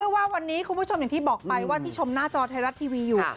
ว่าวันนี้คุณผู้ชมอย่างที่บอกไปว่าที่ชมหน้าจอไทยรัฐทีวีอยู่